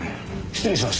失礼します。